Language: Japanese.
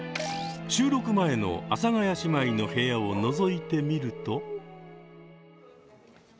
収録前の阿佐ヶ谷姉妹の部屋をのぞいてみると。